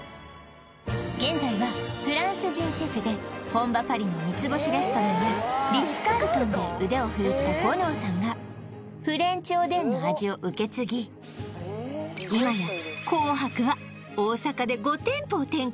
現在はフランス人シェフで本場パリの三ツ星レストランやリッツ・カールトンで腕を振るったゴノーさんがフレンチおでんの味を受け継ぎいまや赤白は大阪で５店舗を展開